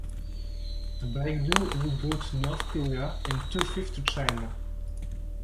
Baekdu would go to North Korea, and two-fifths to China.